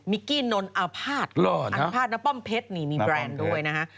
มิกกี้นนท์อัพภาษณ์อัพภาษณ์น้าป้อมเพชรนี่มีแบรนด์ด้วยนะฮะ